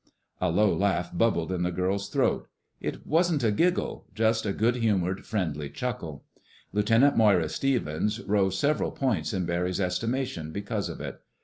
A low laugh bubbled in the girl's throat. It wasn't a giggle—just a good humored, friendly chuckle. Lieutenant Moira Stevens rose several points in Barry's estimation because of it.